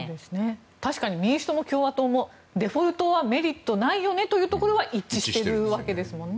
確かに民主党も共和党もデフォルトはメリットないよねというところは一致しているわけですもんね。